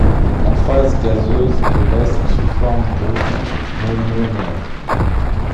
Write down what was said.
En phase gazeuse ils restent sous forme de monomère.